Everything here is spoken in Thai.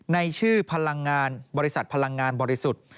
ในชื่อพลังงานบริษัทพลังงานบริสุทธิ์